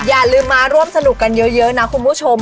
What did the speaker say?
อย่าลืมมาร่วมสนุกกันเยอะนะคุณผู้ชม